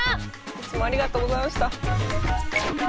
いつもありがとうございました。